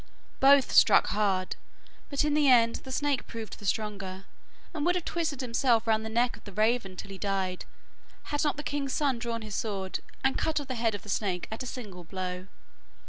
Both struck hard, but in the end the snake proved the stronger, and would have twisted himself round the neck of the raven till he died had not the king's son drawn his sword, and cut off the head of the snake at a single blow.